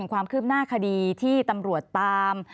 ความคืบหน้าคดีที่ตำรวจตาม